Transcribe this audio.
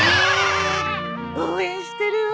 応援してるわ。